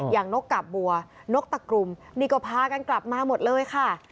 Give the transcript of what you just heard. อย่างนกขับบัวนกตะกุมนิกพากันกลับมาหมดเลยค่ะ